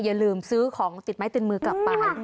อย่าลืมซื้อของติดไม้ตึงมือกลับไป